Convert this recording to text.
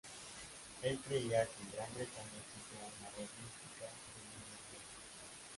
Él creía que en Gran Bretaña existía una red mística de líneas ley.